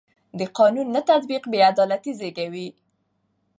د قانون نه تطبیق بې عدالتي زېږوي